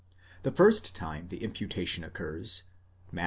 _ The first time the imputation occurs (Matt.